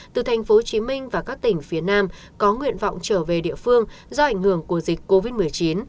từ tp hcm và các tỉnh phía nam có nguyện vọng trở về địa phương do ảnh hưởng của dịch covid một mươi chín